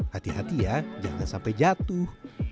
hati hati ya jangan sampai jatuh